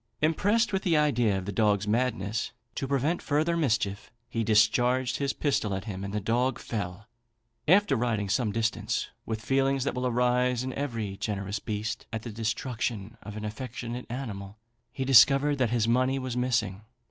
Impressed with the idea of the dog's madness, to prevent further mischief, he discharged his pistol at him, and the dog fell. After riding some distance with feelings that will arise in every generous breast at the destruction of an affectionate animal, he discovered that his money was missing.